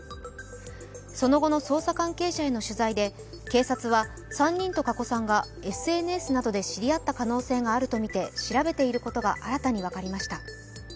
その後の捜査関係者への取材で、警察は３人と加古さんがＳＮＳなどで知り合った可能性があるとみて調べていることが新たに分かりました。